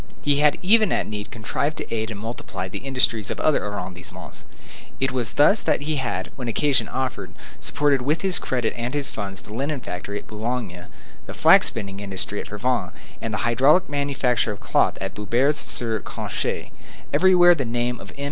He had even at need contrived to aid and multiply the industries of other arrondissements. It was thus that he had, when occasion offered, supported with his credit and his funds the linen factory at Boulogne, the flax spinning industry at Frévent, and the hydraulic manufacture of cloth at Boubers sur Canche. Everywhere the name of M.